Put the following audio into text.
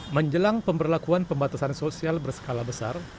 menjelang pemberlakuan pembatasan sosial berskala besar